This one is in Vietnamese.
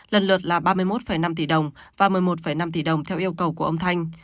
lần lượt là ba mươi một năm tỷ đồng và một mươi một năm tỷ đồng theo yêu cầu của ông thanh